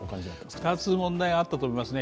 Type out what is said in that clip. ２つ問題があったと思いますね。